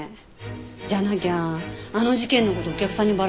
じゃなきゃあの事件の事お客さんにバラすって。